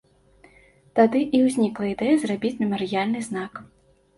Тады і ўзнікла ідэя зрабіць мемарыяльны знак.